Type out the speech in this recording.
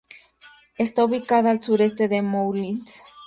Está ubicada a al sureste de Moulins.